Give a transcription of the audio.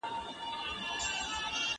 خپل رب په پوهې سره ومانه.